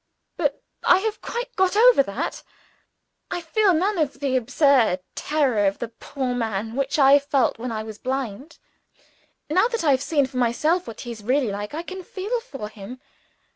But I have quite got over that. I feel none of the absurd terror of the poor man which I felt when I was blind. Now that I have seen for myself what he is really like, I can feel for him.